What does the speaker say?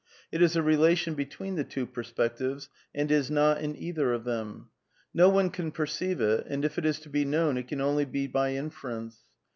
It is a relation between the two perspectives, and is not in either of them ; no one can perceive it, and if it is to be known it can be only by inference.